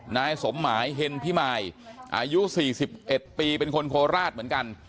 นายสมหมายเห็นพี่มายอายุสี่สิบเอ็ดปีเป็นคนโคราชเหมือนกัน